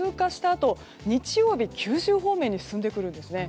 あと日曜日、九州方面に進んでくるんですね。